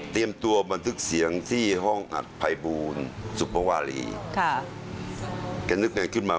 เตรียมตัวบันทึกเสียงที่ห้องอัดไพบูนซุปวารีค่ะแกนึกแหน่งขึ้นมา